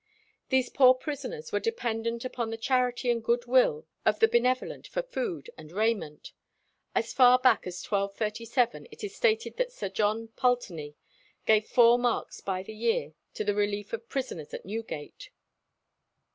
These poor prisoners were dependent upon the charity and good will of the benevolent for food and raiment. As far back as 1237 it is stated that Sir John Pulteney gave four marks by the year to the relief of prisoners in Newgate.